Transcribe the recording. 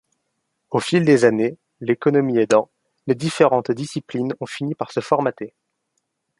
Au fil des années, l'économie aidant, les différentes disciplines ont fini par se formater.